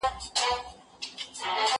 مار لا څه چي د پېړیو اژدهار وو